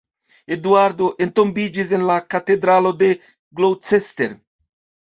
Eduardo entombiĝis en la katedralo de Gloucester.